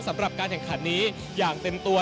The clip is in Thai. สำหรับการแข่งขันนี้อย่างเต็มตัว